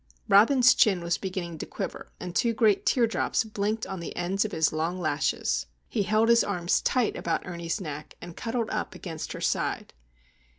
Robin's chin was beginning to quiver, and two great teardrops blinked on the ends of his long lashes. He held his arms tight about Ernie's neck, and cuddled up against her side.